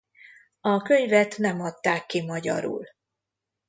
A könyvet nem adták ki magyarul.